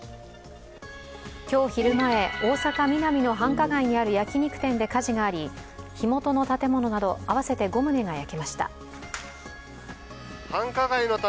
今日昼前、大阪・ミナミの繁華街にある焼き肉店で火事があり火元の建物など合わせて５棟が焼けました。